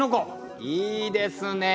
いいですね。